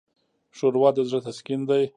ښوروا د زړه تسکین ده.